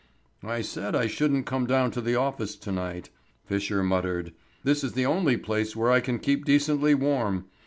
"I said I shouldn't come down to the office to night," Fisher muttered. "This is the only place where I can keep decently warm.